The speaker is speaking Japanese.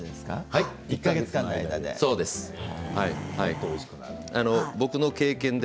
１か月間の間で。